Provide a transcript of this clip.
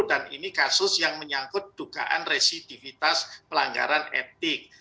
dan ini kasus yang menyangkut dugaan risidivitas pelanggaran etik